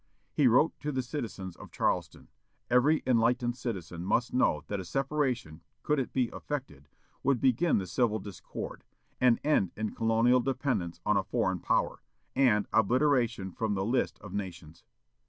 He wrote to the citizens of Charleston, "Every enlightened citizen must know that a separation, could it be effected, would begin with civil discord, and end in colonial dependence on a foreign power, and obliteration from the list of nations."